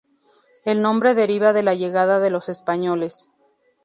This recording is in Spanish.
El nombre deriva de la llegada de los españoles.